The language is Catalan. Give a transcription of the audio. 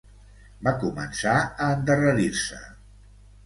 Va començar a endarrerir-se